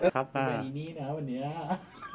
ส่งให้อารยาหน่อยซิ